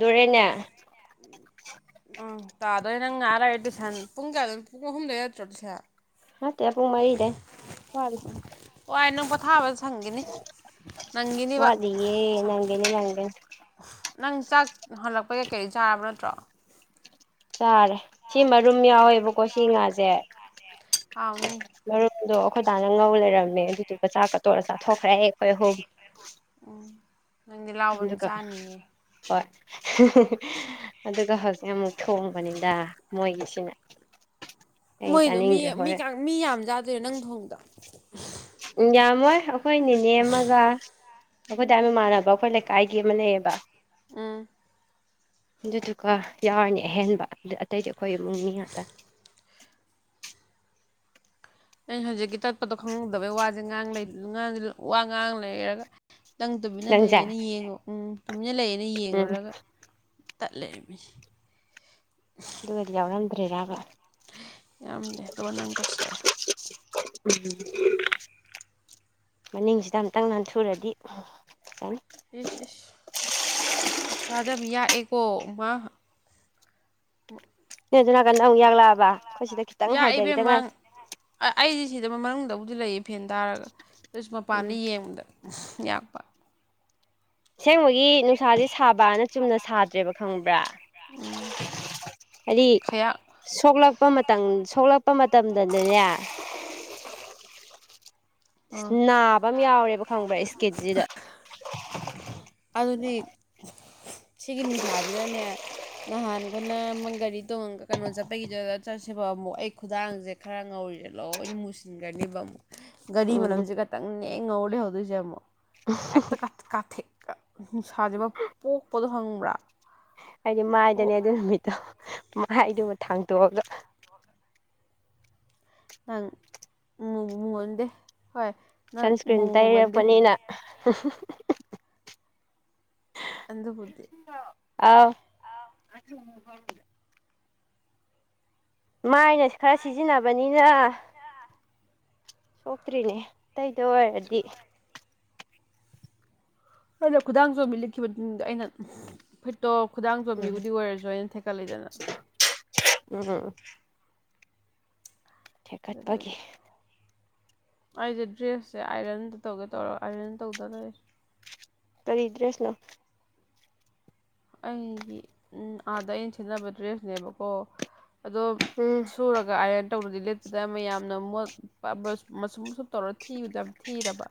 ꯂꯣꯢꯔꯦꯅꯦ ꯑꯅꯦ ꯎꯝ [inaudible] ꯑꯝ ꯇꯥꯗꯣꯏ ꯅꯪ ꯉꯥꯛ ꯂꯩꯔ ꯇꯨꯢꯁꯥꯟ ꯄꯨꯡ ꯀꯌꯥꯗꯩ ꯄꯨꯡ ꯑꯍꯨꯝꯗꯩ ꯅꯠꯇ꯭ꯔꯣ ꯇꯨꯁꯥꯟ ꯅꯠꯇꯦ ꯄꯨꯡ ꯃꯔꯤꯗꯩ ꯋꯥꯠꯂꯤ ꯋꯥꯢ ꯅꯪ ꯄꯣꯊꯥꯕ ꯁꯪꯈꯤꯅꯤ ꯅꯪꯒꯤꯅꯤꯕ ꯋꯥꯠꯂꯤꯌꯦ ꯁꯥ ꯅꯪꯒꯤꯅꯤ ꯅꯪꯒꯤꯅꯤ ꯅꯪ ꯆꯥꯛ ꯍꯜꯂꯛꯄ ꯀꯩꯀꯩ ꯆꯥꯔꯕ ꯅꯠꯇ꯭ꯔꯣ ꯆꯥꯔꯦ ꯁꯤ ꯃꯔꯨꯝ ꯌꯥꯎꯋꯦꯕꯀꯣ ꯁꯤ ꯉꯥꯁꯦ ꯍꯥꯎꯅꯤ ꯃꯔꯨꯝꯗꯣ ꯑꯩꯈꯣꯏ ꯗꯥꯅ ꯉꯧ ꯂꯩꯔꯝꯃꯦ ꯑꯗꯨꯗꯨꯒ ꯆꯥꯛꯀ ꯇꯣꯠꯂ ꯆꯥꯊꯣꯛꯈ꯭ꯔꯦ ꯑꯩꯈꯣꯏ ꯑꯍꯨꯝ ꯎꯝ [unintelligible] ꯍꯣꯏ ꯑꯗꯨꯒ ꯍꯧꯖꯤꯛ ꯑꯃꯨꯛ ꯊꯣꯡꯕꯅꯤꯗ ꯃꯣꯏꯒꯤꯁꯤꯅ ꯑꯩ ꯃꯣꯏꯗꯣ ꯃꯤ ꯆꯥꯅꯤꯡꯗ꯭ꯔꯦ ꯃꯤ ꯍꯣꯔꯦꯟ ꯃꯤ ꯌꯥꯝ ꯆꯥꯗꯨꯏꯔꯣ ꯅꯪ ꯊꯣꯡꯗꯣ ꯑꯨꯝ ꯌꯥꯝꯃꯣꯏ ꯑꯩꯈꯣꯏ ꯅꯅꯤꯅꯦ ꯑꯃꯒ ꯑꯩꯈꯣꯏ ꯗꯥ ꯃꯃꯥꯟꯅꯕ ꯑꯩꯈꯣꯏ ꯂꯩꯀꯥꯏꯒꯤ ꯑꯃ ꯂꯩꯌꯦꯕ ꯎꯝ ꯑꯗꯨꯗꯨꯒ ꯌꯥꯎꯔꯅꯤ ꯑꯍꯦꯟꯕ ꯑꯗꯨ ꯑꯇꯩꯗꯤ ꯑꯩꯈꯣꯏ ꯏꯃꯨꯡꯅꯤ ꯃꯤ ꯉꯥꯛꯇꯅꯤ ꯑꯩꯅ ꯍꯧꯖꯤꯛꯀꯤ ꯇꯠꯄꯗꯣ ꯈꯪꯍꯧꯗꯕꯩ ꯋꯥꯁꯦ ꯉꯥꯡ ꯉꯥꯡꯂꯩꯔꯒ ꯅꯪ ꯇꯨꯃꯤꯟꯅ ꯅꯪꯖꯦ ꯂꯩꯌꯦꯅ ꯌꯦꯡꯉꯣ ꯎꯝ ꯇꯨꯃꯤꯟꯅ ꯂꯩꯌꯦꯅ ꯎꯝ ꯌꯦꯡꯉꯨꯔꯒ ꯇꯥꯠ ꯂꯩꯔꯝꯃꯦ ꯨꯗꯨꯒ ꯌꯥꯎꯔꯝꯗ꯭ꯔꯤꯔꯕ ꯌꯥꯝꯗꯦ ꯑꯗꯨꯒ ꯅꯪ ꯇꯧꯁꯤꯜꯂꯛꯑꯦ ꯎꯝ [inaudible] ꯃꯅꯤꯡꯁꯤꯗ ꯑꯝꯇꯪ ꯅꯟꯊꯨꯔꯗꯤ ꯐꯅꯤ ꯏꯁ ꯅꯨꯡꯁꯥꯖꯦ ꯌꯝ ꯌꯥꯛꯑꯦꯀꯣ ꯅꯣꯏ ꯑꯗꯨ ꯅꯥꯀꯟꯗ ꯑꯃꯨꯛ ꯌꯥꯛꯂꯛꯑꯕ ꯑꯩꯈꯣꯏ ꯁꯤꯗ ꯈꯤꯇꯪ ꯌꯥꯛꯌꯦ ꯍꯥꯏꯊꯈꯤꯗ ꯏꯕꯦꯝꯃ ꯉꯥꯏ ꯑꯩꯗꯤ ꯁꯤꯗ ꯃꯅꯨꯡꯗꯕꯨꯗꯤ ꯂꯩꯌꯦ ꯐꯦꯟ ꯊꯥꯔꯒ ꯑꯗꯨꯁꯨ ꯎꯝ ꯃꯄꯥꯟꯗ ꯌꯦꯡꯕꯗ ꯌꯥꯛꯄ ꯑꯁꯦꯡꯕꯒꯤ ꯅꯨꯡꯁꯥꯁꯦ ꯑꯁꯦꯡꯕꯒꯤ ꯁꯥꯕꯅ ꯅꯨꯡꯁꯥꯥꯁ ꯆꯨꯝꯅ ꯁꯥꯕꯅ ꯁꯨꯅ ꯁꯥꯗ꯭ꯔꯦꯕ ꯈꯪꯕ꯭ꯔꯥ ꯁꯥꯗꯦꯕ ꯈꯣꯠꯇ꯭ꯔꯥ [inaudible] ꯍꯥꯏꯗꯤ ꯁꯣꯛꯂꯛꯄ ꯃꯇꯝ ꯁꯣꯛꯂꯛꯄ ꯃꯇꯝꯗꯗꯅꯦ ꯑꯥ ꯅꯥꯕ ꯑꯃ ꯌꯥꯎꯔꯦꯕ ꯈꯪꯕ꯭ꯔꯥ ꯏꯁꯀꯤꯟꯁꯤꯗ ꯑꯗꯨꯗꯤ ꯁꯤꯒꯤ ꯅꯨꯡꯁꯥꯁꯤꯅꯅꯦ ꯅꯍꯥꯟꯈꯣꯏꯅ ꯒꯥꯔꯤ ꯇꯣꯡꯉ ꯀꯩꯅꯣ ꯆꯠꯄꯒꯤꯗꯨ ꯆꯠꯁꯦꯕ ꯑꯃꯨꯛ ꯑꯩ ꯈꯨꯗꯥꯡꯁꯦ ꯈꯔ ꯉꯧꯔꯤꯁꯦ ꯂꯣꯏꯅ ꯃꯨꯁꯤꯟꯒꯔꯅꯦꯕ ꯑꯃꯨꯛ ꯒꯥꯔꯤ ꯎꯝ ꯃꯅꯝꯁꯦ ꯈꯛꯇꯪꯅꯦ ꯉꯧꯔ ꯂꯩꯍꯧꯗꯣꯏꯁꯦ ꯑꯃꯨꯛ ꯍꯦꯛꯇ ꯀꯥꯊꯦꯛ ꯅꯨꯡꯁꯥꯁꯦ ꯄꯣꯛꯄꯗꯣ ꯈꯪꯕ꯭ꯔꯥ ꯍꯥꯏꯗꯤ ꯑꯣ ꯃꯥꯏꯗꯅꯦ ꯑꯗꯨ ꯅꯨꯃꯤꯠꯇꯣ ꯃꯥꯢꯗꯨ ꯊꯥꯡꯇꯣꯛꯑꯒ ꯅꯪ ꯃꯨꯟꯗꯦ ꯍꯣꯏ ꯅꯪ ꯁꯟꯁꯀ꯭ꯔꯤꯟ ꯃꯨꯕꯨ ꯃꯨꯃꯟꯗꯦ ꯇꯩꯔꯛꯄꯅꯤꯅ ꯑꯗꯨꯕꯨꯗꯤ ꯑꯥꯎ ꯃꯥꯏꯅ ꯈꯔ ꯁꯤꯖꯤꯟꯅꯕꯅꯤꯅ ꯁꯣꯛꯇ꯭ꯔꯤꯅꯦ ꯑꯇꯩꯗ ꯑꯣꯏꯔꯗꯤ ꯑꯩꯅ ꯈꯨꯗꯥꯡ ꯆꯣꯝꯕꯤ ꯂꯤꯠꯈꯤꯕꯗꯨꯗ ꯑꯩꯅ ꯐꯨꯔꯤꯠꯇꯣ ꯈꯨꯗꯥꯡ ꯎꯝ ꯆꯣꯝꯕꯤꯕꯨꯗꯤ ꯑꯣꯏꯔꯁꯨ ꯑꯩꯅ ꯊꯦꯛꯀꯠꯂꯤꯗꯅ ꯎꯝꯝ ꯊꯦꯛꯀꯠꯄꯒꯤ ꯑꯗꯨꯒꯤ ꯑꯩꯁꯦ ꯗ꯭ꯔꯦꯁꯁꯦ ꯑꯥꯏꯔꯟꯗ ꯇꯧꯒꯦ ꯇꯧꯔꯒ ꯑꯥꯏꯔꯟ ꯇꯧꯗ ꯂꯩꯔꯦ ꯀꯔꯤ ꯗ꯭ꯔꯦꯁ ꯅꯣ ꯑꯩꯒꯤ ꯑꯥꯗ ꯑꯩꯅ ꯁꯦꯠꯅꯕ ꯗ꯭ꯔꯦꯁꯅꯦꯕꯀꯣ ꯑꯗꯣ ꯎꯝ ꯁꯨꯔꯒ ꯑꯥꯏꯔꯟ ꯇꯧꯕꯗꯤ ꯂꯤꯠ ꯑꯗ ꯃꯌꯥꯝꯅ ꯃꯁꯨꯝ ꯃꯁꯨꯝ ꯇꯧꯔ ꯊꯤꯕꯗ ꯊꯤꯔꯕ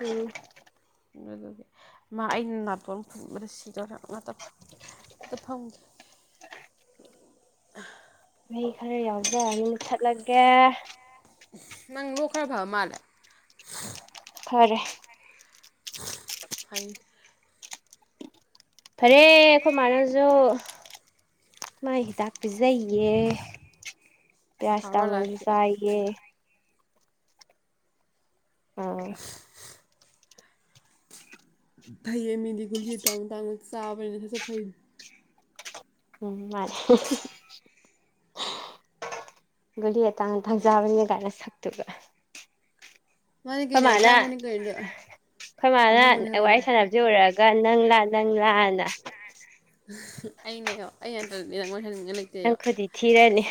ꯎꯝ ꯑꯗꯨꯗꯤ ꯃꯥ ꯑꯩꯅ ꯅꯥꯇꯣꯟ ꯐꯨꯟꯕꯗ ꯁꯤꯗꯣꯔꯦ ꯉꯥꯛꯇꯪ ꯐꯝꯒꯦ ꯃꯍꯤ ꯈꯔ ꯌꯥꯎꯖꯔꯅꯤ ꯃꯨꯊꯠꯂꯒꯦ ꯅꯪ ꯂꯣꯛ ꯈꯔ ꯐꯕ ꯃꯥꯜꯂꯦ ꯐꯔꯦ ꯐꯩ ꯐꯔꯦ ꯑꯩꯈꯣꯏ ꯃꯥꯅꯁꯨ ꯃꯥꯥꯏ ꯍꯤꯗꯥꯛ ꯄꯤꯖꯩꯌꯦ ꯍꯥꯔꯕꯔ ꯄꯤꯔꯥꯁꯤꯇꯥꯃꯣꯜꯁꯨ ꯂꯥꯏꯐꯀꯤ ꯆꯥꯏꯌꯦ ꯑꯣ ꯐꯩꯌꯦ ꯃꯤꯗꯤ ꯒꯨꯂꯤ ꯑꯇꯥꯡ ꯇꯥꯡꯕ ꯆꯥꯕꯅꯤꯅ ꯁꯥ ꯁꯠ ꯐꯩꯗꯣ ꯎꯝ ꯃꯥꯂꯦ ꯒꯨꯂꯤ ꯑꯇꯥꯡ ꯊꯪꯖꯕꯅꯤꯅ ꯀꯥꯏꯅ ꯅꯁꯛꯇꯨꯕ ꯃꯥꯅꯤ ꯑꯩꯈꯣꯏ ꯀꯩꯅꯣ ꯃꯥꯅ ꯑꯇꯥꯡꯕꯅꯤ ꯀꯩꯅꯣ ꯑꯩꯈꯣꯏ ꯃꯥꯅ ꯑꯍꯣꯡꯕꯅꯤ ꯍꯥꯏꯕꯗꯣ ꯋꯥꯔꯤ ꯁꯥꯟꯅꯕ ꯑꯗꯨ ꯑꯣꯢꯔꯒ ꯅꯪꯂ ꯅꯪꯂ ꯑꯩꯅꯦ ꯑꯩ [inaudible] ꯍꯟꯇꯅꯤ ꯅꯪ ꯃꯣꯏ ꯍꯟꯅꯤꯡꯉ ꯅꯪ ꯈꯔꯗꯤ ꯊꯤꯔꯅꯤ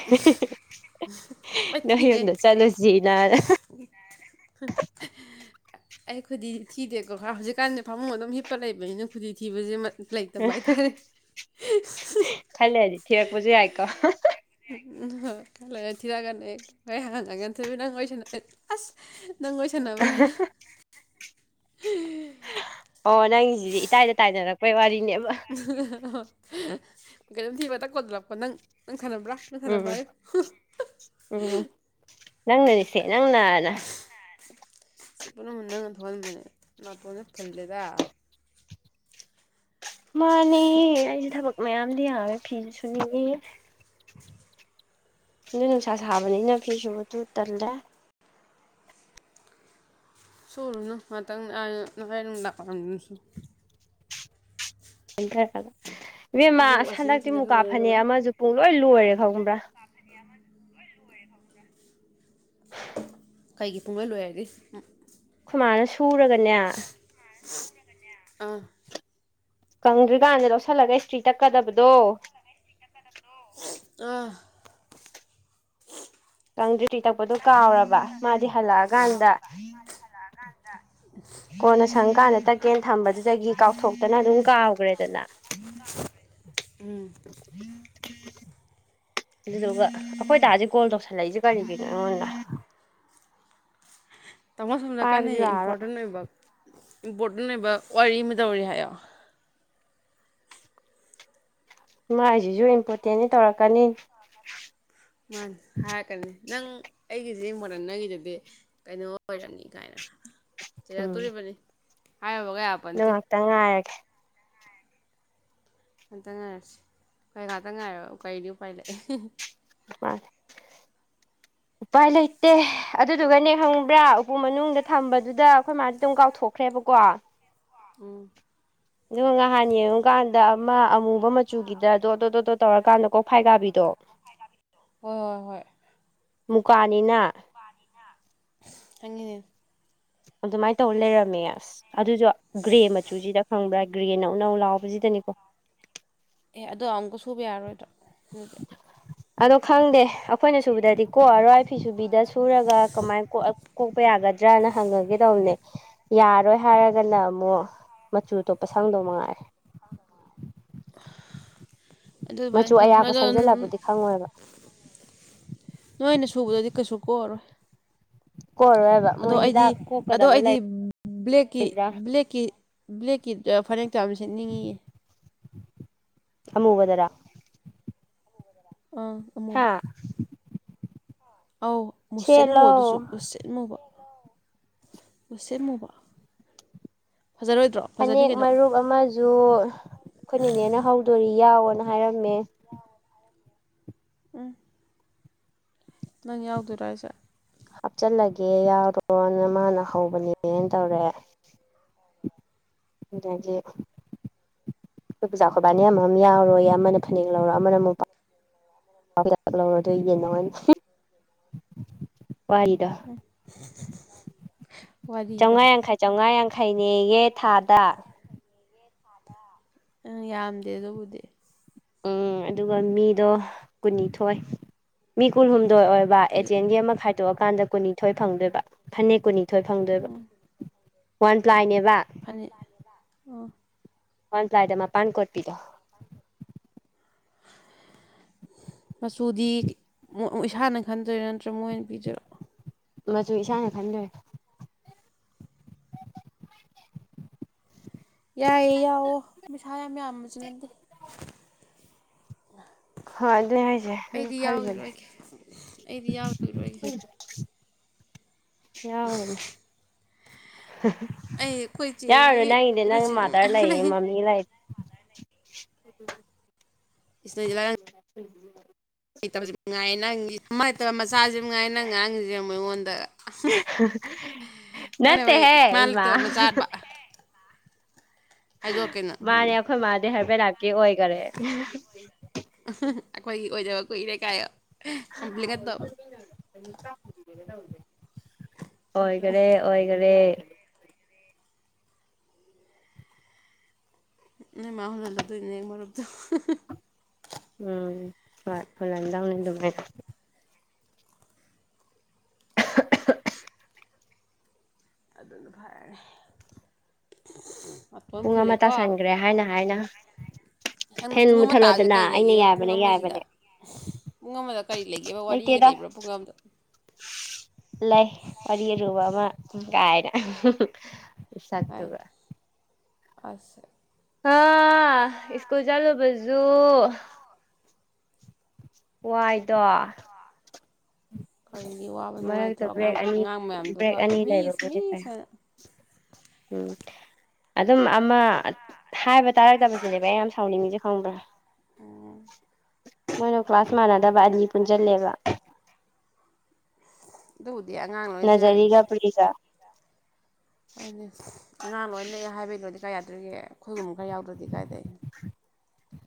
ꯑꯩ ꯅꯣꯏ ꯊꯤꯗꯦ ꯌꯨꯝꯗ ꯆꯠꯂꯁꯤꯅꯥ [inaudible] ꯑꯩ ꯈꯨꯗꯤ ꯊꯤꯗꯦꯀꯣ ꯈꯔ ꯍꯧꯖꯤꯛꯀꯥꯟꯗꯤ ꯐꯃꯨꯡ ꯑꯗꯨꯝ ꯍꯤꯞꯄ ꯂꯩꯕꯅꯤꯅ ꯈꯨꯗꯤ ꯊꯤꯕꯁꯦ ꯂꯩꯇꯕ ꯍꯥꯏꯇꯥꯔꯦ ꯈꯔ ꯂꯩꯔꯗꯤ ꯊꯤꯔꯛꯄꯁꯨ ꯌꯥꯏꯀꯣ ꯍ ꯊꯤꯔꯥꯒꯅ ꯍꯦꯛ [unintelligible] ꯑꯁ ꯅꯪ ꯋꯔꯤ ꯁꯅꯕ ꯍꯥꯏꯅꯣ ꯑꯣ ꯅꯪꯁꯤꯗꯤ ꯏꯇꯥꯏꯗ ꯇꯥꯏꯅꯔꯛꯄꯩ ꯋꯥꯔꯤꯅꯦꯕ ꯀꯩꯅꯣꯝ ꯊꯤꯕꯇꯛ ꯀꯣꯠꯂꯛꯄ ꯅꯪ ꯅꯪ ꯈꯠꯅꯕ꯭ꯔꯥ ꯅꯪ ꯎꯝ ꯈꯠꯅꯕ꯭ꯔꯥ ꯍꯥꯏꯌꯨ ꯍꯨꯡ꯬꯬ ꯅꯪꯅꯅꯤ ꯁꯤ ꯅꯪꯅꯅ ꯁꯤ ꯄꯨꯝꯅꯃꯛ ꯅꯪꯅ ꯊꯣꯛꯍꯟꯕꯅꯦ ꯅꯥꯇꯣꯟꯁꯦ ꯐꯨꯜꯂꯦꯗ ꯃꯥꯅꯦ ꯑꯩꯁꯦ ꯊꯕꯛ ꯃꯌꯥꯝꯗꯤ ꯌꯥꯝꯃꯦ ꯐꯤꯁꯨ ꯅꯤꯡꯉꯤ ꯅꯨꯡꯁꯥ ꯁꯥꯕꯅꯤꯅ ꯐꯤꯁꯨꯕꯗꯨ ꯇꯜꯂꯦ ꯁꯨꯔꯨꯅꯨ ꯉꯇꯪ ꯑ ꯉꯁꯥꯏ ꯅꯨꯝꯗꯥꯡꯋꯥꯏꯔꯝꯗ ꯁꯨ ꯁꯤꯟꯊꯔꯒ ꯏꯕꯦꯝꯃ ꯑꯩꯗꯤ ꯋꯥꯁꯤꯡ ꯍꯟꯗꯛꯇꯤ ꯃꯦꯆꯤꯟꯗ ꯃꯨꯀꯥ ꯁꯨꯗꯣꯏꯅꯦ ꯐꯅꯦꯛ ꯅꯨꯡꯉꯥꯏ ꯑꯃꯁꯨ ꯄꯨꯡ ꯂꯣꯏ ꯂꯣꯏꯔꯦ ꯈꯪꯕ꯭ꯔꯥ [unintelligible] ꯀꯩꯒꯤ ꯄꯨꯡꯂꯣꯏ ꯂꯣꯏꯔꯦ ꯍꯥꯏꯗꯤ ꯈꯨꯃꯥꯅ ꯁꯨꯔꯒꯅꯦ ꯑꯥ ꯀꯪꯗ꯭ꯔꯤꯀꯥꯟꯗ ꯂꯧꯁꯤꯜꯂꯒ ꯏꯁꯇ꯭ꯔꯤ ꯇꯛꯀꯗꯕꯗꯣ ꯑꯥ ꯀꯪꯗ꯭꯭ꯔꯤ ꯇꯛꯄꯗꯣ ꯀꯥꯎꯔꯕ ꯃꯥꯗꯤ ꯍꯜꯂꯛꯑꯀꯥꯟꯗ ꯗ [unintelligible] ꯀꯣꯟꯅ ꯁꯪ ꯀꯥꯟꯗ ꯇꯛꯀꯦꯅ ꯊꯝꯕꯗꯨꯗꯒꯤ ꯀꯥꯎꯊꯣꯛꯇꯅ ꯑꯗꯨꯝ ꯀꯥꯎꯈ꯭ꯔꯦꯗꯅ ꯎꯝ ꯑꯗꯨꯗꯨꯒ ꯑꯩꯈꯣꯏ ꯗꯁꯦ ꯀꯣꯜ ꯇꯧꯁꯜꯂꯛꯏꯁꯦ ꯀꯔꯤꯒꯤꯅꯣ ꯑꯩꯉꯣꯟꯗ ꯇꯥꯃꯣ ꯁꯣꯝꯗ ꯀꯟꯅ ꯄꯥꯏꯕꯁꯨ ꯌꯥꯔꯣꯏ ꯏꯝꯄꯣꯔꯇꯦꯟ ꯑꯣꯏꯕ ꯏꯝꯄꯣꯔꯇꯦꯟ ꯑꯣꯏꯕ ꯋꯥꯔꯤ ꯑꯃ ꯇꯧꯔꯤ ꯍꯥꯏꯌꯣ ꯃꯥꯏꯁꯤꯁꯨ ꯏꯝꯄꯣꯔꯇꯦꯟꯅꯤ ꯇꯧꯔꯛꯀꯅꯤ ꯃꯥꯅꯦ ꯍꯥꯏꯔꯛꯀꯅꯤ ꯅꯪ ꯑꯩꯒꯤꯁꯤ ꯏꯃꯣꯗꯔꯦꯟ ꯅꯪꯒꯤꯗꯨꯗꯤ ꯀꯩꯅꯣ ꯑꯣꯏꯔꯝꯅꯤ ꯀꯥꯏꯅ ꯆꯩꯔꯛꯇꯣꯔꯤꯕꯅꯤ ꯍꯥꯏꯔꯕꯒ ꯅꯪ ꯉꯥꯏꯍꯥꯛꯇꯪ ꯉꯥꯏꯔꯒꯦ ꯉꯥꯛꯇꯪ ꯉꯥꯏꯔꯁꯤ ꯍ‌ꯣꯏ ꯉꯥꯛꯇꯪ ꯉꯥꯏꯔ‌ꯣ ꯀꯔꯤꯗꯤ ꯎꯄꯥꯏ ꯂꯩ ꯑ [unintelligible] [inaudible] ꯎꯄꯥꯏ ꯂꯩꯇꯦ ꯑꯗꯨꯗꯨꯒꯅꯦ ꯈꯪꯕ꯭ꯔꯥ ꯎꯄꯨ ꯃꯅꯨꯡꯗ ꯊꯝꯕꯗꯨꯗ ꯑꯩꯈꯣꯏ ꯃꯥꯗꯤ ꯑꯗꯨꯝ ꯀꯥꯎꯊꯣꯛꯈ꯭ꯔꯦꯕꯀꯣ ꯎꯝ ꯑꯗꯨꯒ ꯅꯍꯥꯟ ꯌꯦꯡꯉꯨꯀꯥꯟꯗ ꯑꯃ ꯑꯃꯨꯕ ꯃꯆꯨꯒꯤꯗ ꯗ‌ꯣꯠ ꯗ‌ꯣꯠ ꯗ‌ꯣꯠ ꯇꯧꯔꯀꯥꯟꯗ ꯀꯣꯛ ꯐꯥꯏ ꯀꯥꯕꯤꯗꯣ ꯀ‌ꯣꯛꯐꯥꯏ ꯀꯕꯤꯗ‌ꯣ ꯍꯣꯏ ꯍꯣꯏ ꯍꯣꯏ ꯃꯨꯛꯀꯥꯅꯤꯅ ꯃꯨꯛꯀꯥꯅꯤꯅ ꯑꯁ ꯈꯪꯉ‌ꯦ ꯑꯗꯨꯃꯥꯏꯅ ꯇꯧ ꯂꯩꯔꯝꯃꯦ ꯑꯁ ꯑꯗꯨꯁꯨ ꯒ꯭ꯔꯦ ꯃꯆꯨꯁꯤꯗ ꯈꯪꯕ꯭ꯔꯥ ꯒ꯭ꯔꯦ ꯅꯧꯅꯧ ꯂꯥꯎꯕꯁꯤꯗꯅꯤꯀꯣ ꯑꯦ ꯑꯗꯣ ꯑꯃꯨꯛꯀ ꯁꯨꯕ ꯌꯥꯔꯔꯣꯏꯗꯣ ꯎꯝ ꯑꯗꯣ ꯈꯪꯗꯦ ꯑꯩꯈꯣꯏꯅ ꯁꯨꯕꯗꯗꯤ ꯀꯣꯛ ꯑꯔꯣꯏ ꯐꯤ ꯁꯨꯕꯤꯗ ꯁꯨꯔꯒ ꯀꯃꯥꯏ ꯀꯣꯛꯄ ꯌꯥꯒꯗ꯭ꯔꯅ ꯍꯪꯉꯨꯒꯦ ꯇꯧꯕꯅꯦ ꯌꯥꯔꯣꯏ ꯍꯥꯏꯔꯒꯅ ꯑꯃꯨꯛ ꯃꯆꯨ ꯑꯇꯣꯞꯄ ꯁꯪꯗꯧ ꯃꯉꯥꯏꯔꯦ ꯃꯆꯨ ꯑꯗꯨꯃꯥꯏꯅ ꯇꯧ ꯑꯌꯥꯛꯄ ꯁꯪꯖꯜꯂꯕꯨꯗꯤ ꯈꯪꯉꯣꯏꯕ ꯅꯣꯏꯅ ꯁꯨꯕꯗꯗꯤ ꯀꯩꯁꯨ ꯀꯣꯛ ꯑꯔꯣꯏ ꯀꯣꯔꯔꯣ ꯑꯗꯣ ꯑꯩꯗꯤ ꯑꯗꯣ ꯑꯩꯗꯤ ꯕ꯭ꯂꯦꯛꯀꯤ ꯂꯩꯕ꯭ꯔꯥ ꯕ꯭ꯂꯦꯛꯀꯤ ꯕ꯭ꯂꯦꯛꯀꯤꯗ ꯐꯅꯦꯛꯇ‌ꯣ ꯌꯥꯝ ꯁꯦꯠꯅꯤꯡꯉꯤꯌꯦ ꯑꯃꯨꯕꯗꯔ ꯑꯥ ꯑꯃꯨꯕ ꯍꯥ ꯑꯧ ꯃꯨꯁꯤꯟꯃꯨꯕ ꯑꯗꯨꯁꯨ ꯁꯦꯠꯂꯣ ꯃꯨꯁꯤꯟꯃꯨꯕ ꯃꯨꯁꯤꯟ ꯃꯨꯕ ꯐꯖꯔꯣꯏꯗ꯭ꯔꯣ ꯐꯖꯅꯤ ꯐꯅꯦꯛ ꯀꯩꯅꯣ ꯃꯔꯨꯞ ꯑꯃꯁꯨ ꯑꯩꯈꯣꯏ ꯅ‌ꯦꯅꯦꯅ ꯍꯧꯗꯨꯔꯤ ꯌꯥꯎꯑꯣꯅ ꯍꯥꯏꯔꯝꯃꯦ ꯎꯝ ꯅꯪ ꯌꯥꯎꯗꯣꯏꯔ ꯍꯥꯏꯁꯦ ꯍꯥꯞꯆꯤꯜꯂꯒꯦ ꯌꯥꯎꯔꯣꯅ ꯃꯥꯅ ꯍꯧꯕꯅꯦꯅ ꯇꯧꯔꯦ ꯑꯗꯒꯤ ꯑꯩꯈꯣꯏ ꯄꯨꯖꯥ ꯈꯣꯏꯕꯥꯟꯅꯤ ꯑꯃꯃꯝ ꯌꯥꯎꯔꯣꯌ‌ꯦ ꯑꯃꯅ ꯐꯅꯦꯛ ꯂꯧꯔꯣ ꯑꯃꯅ ꯃꯨꯡ ꯂꯧꯔ‌ꯣ ꯑꯗꯨꯒ ꯌꯦꯟꯅꯧ ꯍꯥꯏꯅ‌ ꯋꯥꯔꯤꯗ‌ꯣ [unintelligible] ꯋꯥꯔꯤꯗꯣ ꯆꯧꯉꯥ ꯌꯥꯡꯈꯩ ꯆꯧꯉꯥ ꯌꯥꯡꯈꯩꯅꯦꯌꯦ ꯊꯥꯗ ꯑ ꯌꯥꯝꯗꯦ ꯑꯗꯨꯕꯨꯗꯤ ꯎꯝ ꯑꯗꯨꯒ ꯃꯤꯗꯣ ꯀꯨꯟꯅꯤꯊꯣꯏ ꯃꯤ ꯀꯨꯟꯍꯨꯝꯗꯣꯏ ꯑꯣꯏꯕ ꯑꯣꯏꯕ ꯑꯦꯖꯦꯟꯒꯤ ꯑꯃ ꯈꯥꯏꯗꯣꯛꯑꯀꯥꯟꯗ ꯀꯨꯟꯅꯤꯊꯣꯏ ꯐꯪꯗꯣꯏꯕ ꯐꯅꯦꯛ ꯀꯨꯟꯅꯤꯊꯣꯏ ꯐꯪꯗꯣꯏꯕ ꯋꯥꯟ ꯄ꯭ꯂꯥꯏꯅꯦꯕ ꯐꯅ‌ꯦꯛ ꯑꯣ ꯄꯥꯟ ꯄꯂꯥꯏꯗ ꯃꯥꯄꯥꯟ ꯀꯣꯠꯄꯤꯗ‌ꯣ ꯃꯆꯨꯗꯤ ꯏꯁꯥꯅ ꯈꯟꯗ‌ꯣꯏꯔꯥ ꯅꯠꯇ꯭ꯔꯒ ꯃꯣꯏꯅ ꯄꯤꯗ‌ꯣꯏꯔ‌ꯣ ꯃꯆꯨ ꯏꯁꯥꯅ ꯈꯟꯗꯣꯏꯅ‌ꯦ ꯌꯥꯏꯌꯦ ꯌꯥꯎꯑꯣ ꯄꯩꯁꯥ ꯌꯥꯝ ꯃꯌꯥꯝꯕꯁꯨ ꯅꯠꯇ‌ꯦ ꯍꯣꯏ ꯑꯗꯨꯅꯦ ꯍꯥꯏꯁꯦ ꯑꯗꯨ ꯑꯩꯗꯤ ꯈꯜꯂꯤꯕꯅꯦ ꯌꯥꯎꯈꯤꯔꯣꯏꯒꯦ ꯑꯩꯗꯤ ꯌꯥꯎꯈꯤꯔꯣꯏꯒꯦ ꯌꯥꯎꯔꯨꯅꯨ ꯑꯩ ꯑꯩꯈꯣꯏ ꯆꯦꯒꯤ ꯌꯥꯎꯔꯨꯅ‌ꯣ ꯅꯪꯗꯤ ꯑꯩꯈꯣꯏ ꯅꯪ ꯆꯦꯒꯤ ꯃꯥꯗꯥꯔ ꯃꯌꯥꯝ ꯂꯩꯌꯦ ꯂꯩ ꯃꯃꯤ ꯂꯩ ꯏꯁ ꯅꯣꯏꯗꯤ ꯂꯥꯏꯔꯤꯛ [unintelligible] [unintelligible] ꯃꯆꯥꯁꯤ ꯃꯉꯥꯏꯔ‌ꯦ ꯅꯪ ꯉꯥꯡꯉꯤꯁꯦ ꯌ‌ꯦꯡꯉ‌ꯣ ꯑꯩꯉꯣꯟꯗ ꯅꯪꯅ ꯍꯣꯏ ꯏꯃꯥ ꯂꯩꯇꯕ ꯃꯆꯥꯥꯕ ꯃꯥꯟꯅꯦ ꯈꯪꯅꯤ ꯑꯩꯈꯣꯏ ꯃꯥꯗꯤ ꯍꯥꯔꯕꯜꯂꯥꯞꯀꯤ ꯑꯣꯏꯈꯔꯦ ꯑꯩꯈꯣꯏꯒꯤ ꯑꯣꯏꯗꯕ ꯀꯨꯏꯔꯦ ꯀꯥꯏ ꯀꯝꯄ꯭ꯂꯤꯀꯦꯠ ꯇꯧ ꯑꯣꯏꯈꯔꯦ ꯑꯣꯏꯈꯔꯦ ꯅꫭꯏ ꯃꯥꯥ ꯍꯟꯍꯜꯂꯗꯣꯏ ꯏꯅꯦ ꯃꯔꯨꯞꯛꯇꫭ ꯎꯝ ꯍꯣꯏ [unintelligible] [unintelligible] ꯑꯗꯨꯅ ꯐꯔꯦ ꯄꯨꯡ ꯑꯃ ꯇꯥꯁꯟꯈ꯭ꯔꯦ ꯍꯥꯏꯅ ꯍꯥꯏꯅ ꯅꯪꯅ ꯐꯦꯟ ꯄꯨꯡ ꯑꯃ ꯇꯥꯕꯁꯦ ꯃꯨꯠꯊꯠꯂꯣꯗꯅ ꯀꯔꯤ ꯑꯩꯅ ꯂꯩꯒꯦꯕ ꯄꯨꯡ ꯌꯥꯕꯅꯦ ꯑꯃꯁꯤꯗ ꯌꯥꯕꯅꯦ ꯄꯨꯡ ꯑꯃꯗ ꯀꯔꯤ ꯂꯩꯒꯦꯕ ꯋꯥꯔꯤꯒ ꯂꯩꯇꯦꯗ ꯂꯩꯕ꯭ꯔꯥ ꯄꯨꯡ ꯑꯃꯗ ꯂꯩ ꯋꯥꯔꯤ ꯑꯔꯨꯕ ꯑꯃ ꯀꯥꯢꯅ ꯍꯥꯏ ꯅꯁꯛꯇꯨꯒ ꯑꯁ ꯍꯥ ꯁꯀꯨꯜ ꯆꯠꯂꯨꯕꯖꯨ ꯋꯥꯏꯗ‌ꯣ [unintelligible] ꯀꯔꯤꯒꯤ ꯋꯥꯕ ꯅꯨꯡꯉꯥꯏꯇ꯭ꯔꯣ ꯃꯔꯛꯇ ꯕ꯭ꯔꯦꯛ ꯑꯉꯥꯡ ꯑꯅꯤ ꯑꯉꯥꯡ ꯃꯌꯥꯝꯗꯨꯒ ꯕ꯭ꯔꯦꯛ ꯑꯅꯤ ꯃꯤꯁ ꯂꯩꯕꯕꯨꯗꯤ ꯐꯩ ꯃꯤꯁ ꯍꯥꯏꯅ ꯎꯝ ꯑꯗꯨꯝ ꯑꯃ ꯍꯥꯏꯕ ꯇꯥꯔꯛꯇꯕꯁꯤꯅꯦꯕ ꯑꯩ ꯌꯥꯝ ꯁꯥꯎꯅꯤꯡꯉꯤꯁꯦ ꯈꯪꯕ꯭ꯔꯥ ꯑꯣ ꯃꯣꯏꯅ ꯀ꯭ꯂꯥꯁ ꯃꯥꯟꯅꯗꯕ ꯑꯅꯤ ꯄꯨꯟꯁꯤꯜꯂꯦꯕ ꯑꯕꯨꯗꯤ ꯑꯉꯥꯡ ꯅꫭꯏꯁ‌ꯦ ꯅꯖꯔꯤꯒ ꯄ꯭ꯔꯤꯒ ꯍꫭꯅꯦ ꯑꯉꯥꯡ ꯅꫭꯏꯅ ꯂꯩ ꯍꯥꯏꯕꯩ ꯂꯣꯗꯤ ꯀꯥꯏ ꯌꯥꯗꯣꯏꯔꯤꯒꯦ ꯑꯩꯈꯣꯏꯒꯨꯝꯕ ꯈꯔ ꯌꯥꯎꯗ꯭ꯔꯗꯤ ꯀꯥꯏꯗꯩ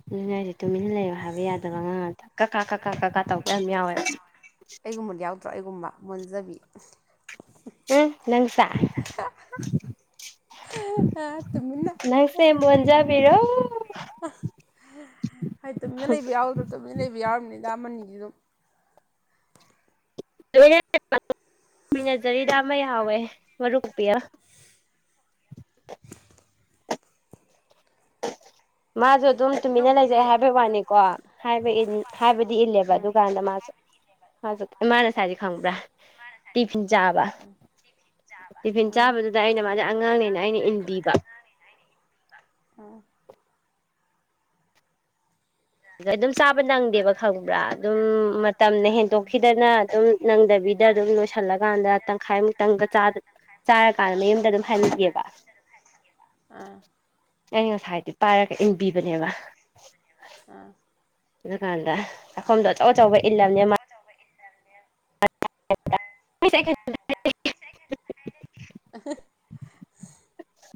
ꯑꯗꯨꯅ‌ꯦꯍꯥꯏꯖ‌ꯦ ꯇꯨꯃꯤꯟꯅ ꯂꯩꯑꯎ ꯍꯥꯏꯕ ꯌꯥꯗꯕ ꯑꯉꯥꯡ ꯀꯛ ꯀꯥ ꯀꯛ ꯀꯥ ꯀꯛ ꯀꯥ ꯇꯧꯗ ꯌꯥꯝ ꯌꯥꯎꯋꯦ ꯑꯩꯒꯨꯝꯕ ꯌꯥꯎꯗ꯭ꯔꯣ ꯑꯩꯒꯨꯝꯕ ꯃꫭꯟꯖꯕꯤ ꯎꯝ ꯅꯪꯁ‌ꯦ ꯇꯨꯃꯤꯟꯅ [unintelligible] ꯃꯣꯟꯖꯥꯕꯤꯔꯣ ꯍꯥꯏꯗꯤ ꯇꯨꯃꯤꯟꯅ ꯂꯩꯕ ꯌꯥꯎꯗ꯭ꯔꯣ ꯇꯨꯃꯤꯅ ꯂꯩꯕ ꯌꯥꯎꯔꯝꯅꯤꯗꯥ ꯑꯃ ꯑꯅꯤꯗꯤ ꯑꯗꯨꯝ [unintelligible] ꯂꯣꯏꯅꯖꯔꯤꯗ ꯑꯃ ꯍꯥꯎꯋꯦ ꯃꯔꯨꯊꯣꯛꯄꯤ ꯃꯥꯗꯣ ꯑꯗꯨꯝ ꯇꯨꯃꯤꯟꯅ ꯅꯪꯕꯨꯗꯤ ꯂꯩꯖꯩ ꯍꯥꯏꯕꯩ ꯋꯥꯅꯤꯀꯣ ꯍꯥꯏꯕ ꯍꯥꯏꯕꯗꯤ ꯏꯜꯂꯦꯕ ꯎꯝ ꯑꯗꯨꯀꯥꯟꯗ ꯃꯥꯁꯨ ꯃꯥꯅ ꯉꯥꯁꯥꯏꯁꯦ ꯈꯪꯕ꯭ꯔꯥ ꯇꯤꯐꯤꯟ ꯆꯥꯕ ꯆꯥꯕ ꯇꯤꯐꯤꯟ ꯆꯥꯕꯗꯨꯗ ꯑꯩꯅ ꯃꯥꯁꯦ ꯑꯉꯥꯡꯅꯦꯅ ꯑꯩꯅ ꯏꯟꯕꯤꯕ ꯎꯝ ꯑꯗ ꯑꯗꯨꯝ ꯆꯥꯕ ꯅꯪꯗꯦꯕ ꯈꯪꯕ꯭ꯔꯥ ꯑꯗꯨꯝ ꯃꯇꯝꯅ ꯍꯦꯟꯗꯣꯛꯈꯤꯗꯅ ꯑꯗꯨꯝ ꯅꯪꯗꯕꯤꯗ ꯑꯗꯨꯝ ꯂꯣꯏꯁꯤꯜꯂꯀꯥꯟꯗ ꯇꯪꯈꯥꯏꯃꯨꯛꯇꯪꯒ ꯆꯥꯗꯕꯤ ꯆꯥꯔꯀꯥꯟꯗ ꯃꯌꯨꯝꯗ ꯑꯗꯨꯝ ꯍꯥꯟꯒꯤꯕ ꯑꯝ ꯑꯩꯅ ꯉꯁꯥꯏꯗꯣ ꯄꯥꯏꯔꯒ ꯏꯟꯕꯤꯕꯅꯦꯕ ꯑꯥ ꯑꯗꯨꯀꯥꯟꯗ ꯆꯥꯛꯈꯣꯝꯗꯣ ꯑꯆꯧ ꯑꯆꯧꯕ ꯏꯂꯝꯅꯦ ꯃꯥ ꯆꯕ ꯏꯟꯁꯥ [inaudible] [unintelligible] ꯑ [unintelligible]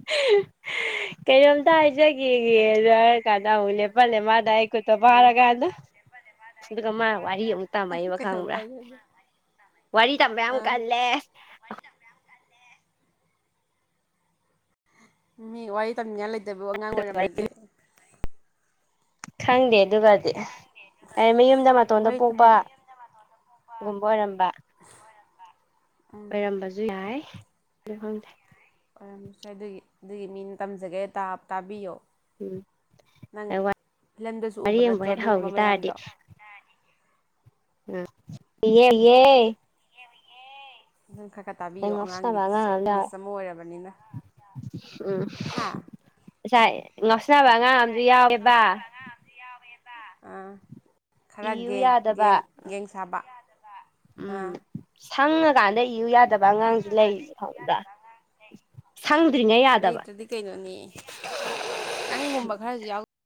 [unintelligible] ꯀꯩꯅꯣꯝꯇ ꯍꯥꯏꯖꯒꯦꯌꯦ ꯍꯥꯢꯔꯀꯥꯟꯗ ꯑꯃꯨꯛ ꯂꯦꯞꯍꯥꯜꯂꯦ ꯃꯥꯅ ꯑꯩꯥ ꯈꯨꯠꯇꯣ ꯄꯥꯢꯔ ꯑꯥ ꯀꯥꯟꯗ ꯑꯗꯨꯒ ꯃꯥꯅ ꯋꯥꯔꯤ ꯑꯃꯨꯛ ꯇꯥꯝꯃꯛꯢꯕ ꯀꯩꯅꯣꯝꯇ ꯈꯪꯕ꯭ꯔꯥ ꯍꯥꯏꯖꯒꯦ ꯋꯥꯔꯤ ꯇꯝꯕ ꯌꯥꯝ ꯑꯥ ꯀꯜꯂꯦ ꯃꯤ ꯋꯥꯔꯤ ꯇꯝꯅꯤꯡꯉꯥꯏ ꯂꯩꯇꯕ ꯑꯉꯥꯡ ꯑꯣꯏꯔꯝꯃꯗꯤ ꯈꯪꯗꯦ ꯑꯗꯨꯒꯗꯤ ꯍꯥꯏ ꯃꯌꯨꯝꯗ ꯃꯇꯣꯟꯗ ꯋꯥꯔꯤ ꯄꯣꯛꯄ ꯇꯝꯐꯝ ꯒꯨꯝꯕ ꯑꯣꯏꯔꯝꯕ ꯎꯝ ꯑꯣꯏꯔꯝꯕꯁꯨ ꯌꯥꯏ ꯑꯗꯨ ꯈꯪꯗꯦ ꯑꯣꯢꯔꯝꯗꯔꯦ ꯑꯗꯨꯒꯤ ꯑꯗꯨꯒꯤ ꯃꯤꯅ ꯇꯝꯖꯒꯦ ꯇꯥ ꯇꯥꯕꯤꯌꯣ ꯎꯝ ꯅꯪ ꯐꯤꯂꯝꯗꯁꯨ ꯎꯕ ꯋꯥꯔꯤ ꯑꯃꯕꯨ ꯅꯠꯇ꯭ꯔꯣ ꯍꯦꯛ ꯑꯗꯨꯒꯨꯝꯕ ꯍꯧꯈꯤ ꯇꯥꯔꯗꯤ ꯃꯌꯥꯝꯗꯣ ꯂꯤꯌꯦ ꯂꯤꯌꯦ ꯅꯪ ꯈꯔ ꯈꯔ ꯇꯥꯕꯤꯌꯣ ꯉꯥꯎꯁꯤꯟꯅꯕ ꯑꯉꯥꯡꯒꯤꯗꯨꯁꯨ ꯑꯉꯥꯡ ꯌꯥꯎꯋꯦ ꯃꯤꯁ ꯑꯃ ꯑꯣꯏꯔꯕꯅꯤꯅ ꯎꯝ ꯍꯥ ꯉꯁꯥꯏ ꯉꯥꯎꯁꯤꯟꯅꯕ ꯑꯉꯥꯡ ꯑꯃꯗꯤ ꯌꯥꯎꯋꯦꯕ ꯑꯥ ꯈꯔ ꯏꯌꯨ ꯒꯦꯡ ꯌꯥꯗꯕ ꯒꯦꯡ ꯒꯦꯡ ꯁꯥꯕ ꯑꯥ ꯎꯝ ꯁꯪꯉꯀꯥꯟꯗ ꯏꯌꯨ ꯌꯥꯗꯦ ꯌꯗꯕ ꯑꯉꯥꯡꯁꯨ ꯂꯩꯔꯤꯌꯦ ꯈꯪꯕ꯭ꯔꯥ ꯁꯪꯗ꯭ꯔꯤꯉꯩ ꯌꯥꯗꯕ ꯂꯩꯇ꯭ꯔꯗꯤ ꯀꯩꯅꯣꯅꯦ ꯅꯪꯒꯨꯝꯕ ꯈꯔꯁꯨ ꯌꯥꯎꯗ